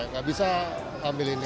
tidak bisa ambil ini